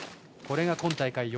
これが今大会